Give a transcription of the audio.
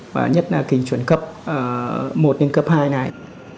và nhất là kỳ chuyển cấp một đến cấp hai này